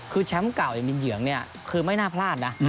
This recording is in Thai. คือแชมป์เก่าเอมินเหยียงคือไม่น่าพลาดนะ